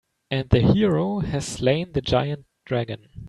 And the hero has slain the giant dragon.